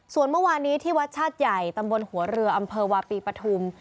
ส่วนเมื่อวานนี้ที่วัดชาติใหญ่ตำบลหัวเรืออำเภอวาปีปฐุม